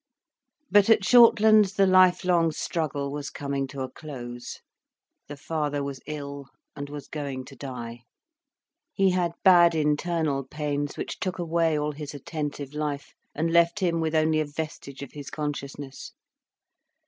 But at Shortlands the life long struggle was coming to a close. The father was ill and was going to die. He had bad internal pains, which took away all his attentive life, and left him with only a vestige of his consciousness.